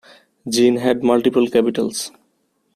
Jin had multiple capitals.